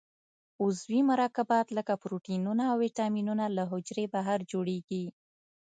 عضوي مرکبات لکه پروټینونه او وېټامینونه له حجرې بهر جوړیږي.